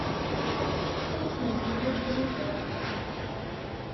Ṭṭuqqtent fell-ak tlufa.